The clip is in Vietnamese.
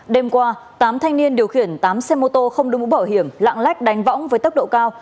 đêm qua tám thanh niên điều khiển tám xe mô tô không đưa mũ bảo hiểm lạng lách đánh võng với tốc độ cao